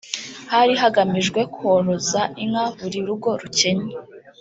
Hari hagamijwe koroza inka buri rugo rukennye